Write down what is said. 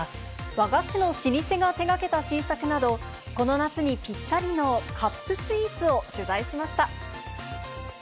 和菓子の老舗が手がけた新作など、この夏にぴったりのカップスイーツを取材しました。